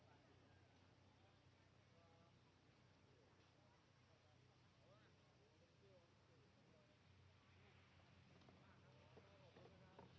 โปรดติดตามตอนต่อไป